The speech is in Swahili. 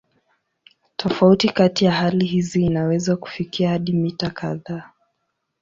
Tofauti kati ya hali hizi inaweza kufikia hadi mita kadhaa.